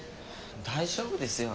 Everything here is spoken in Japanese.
大丈夫ですよ。